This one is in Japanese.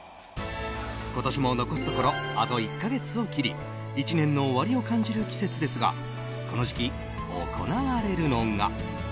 今年も残すところあと１か月を切り１年の終わりを感じる季節ですがこの時期行われるのが。